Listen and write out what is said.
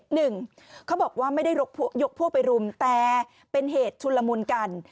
หนึ่งเขาบอกว่าไม่ได้ยกพวกไปรุมแต่เป็นเหตุชุนละมุนกัน